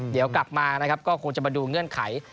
เดี๋ยวกลับมานะครับก็คงจะมาดูเงื่อนไข